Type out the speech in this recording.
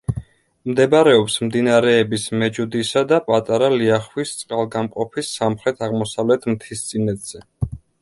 მდებარეობს მდინარეების მეჯუდისა და პატარა ლიახვის წყალგამყოფის სამხრეთ-აღმოსავლეთ მთისწინეთზე.